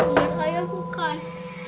ini saya bukan